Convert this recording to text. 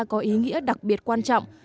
có ý nghĩa đặc biệt quan trọng